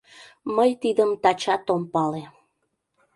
Мый тидым тачат ом пале